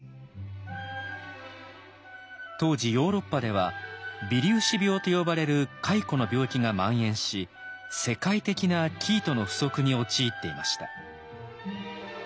当時ヨーロッパでは「微粒子病」と呼ばれる蚕の病気がまん延し世界的な生糸の不足に陥っていました。